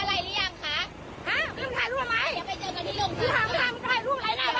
ครึมถาดถาดมึงถาดนั่นน่ะบ้านโณ